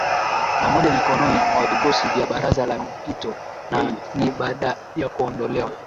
na moja mikononi mwa vikosi vya Baraza la Mpito na ni baada ya kuondolewa